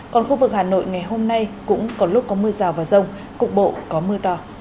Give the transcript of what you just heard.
còn khu vực hà nội ngày hôm nay cũng có lúc có mưa rào và rông cục bộ có mưa to